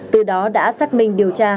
từ đó đã xác minh điều tra